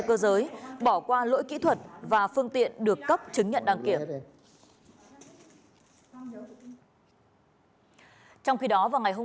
cơ giới bỏ qua lỗi kỹ thuật và phương tiện được cấp chứng nhận đăng kiểm trong khi đó vào ngày hôm